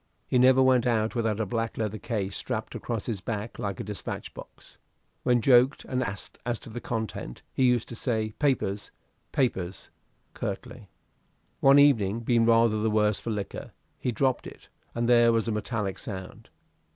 He never went out without a black leather case strapped across his back like a despatch box. When joked and asked as to the contents, he used to say, "Papers, papers," curtly. One evening, being rather the worse for liquor, he dropped it, and there was a metallic sound.